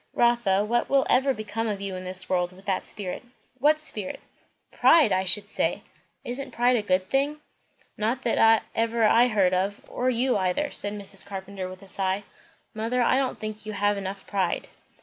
"Rotha, what will ever become of you in this world, with that spirit?" "What spirit?" "Pride, I should say." "Isn't pride a good thing?" "Not that ever I heard of, or you either," Mrs. Carpenter said with a sigh. "Mother, I don't think you have enough pride."